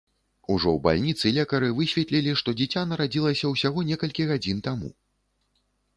Ужо ў бальніцы лекары высветлілі, што дзіця нарадзілася ўсяго некалькі гадзін таму.